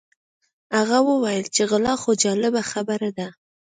هغه وویل چې غلا خو جالبه خبره ده.